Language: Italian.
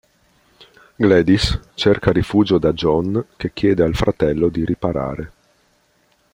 Gladys cerca rifugio da John che chiede al fratello di riparare.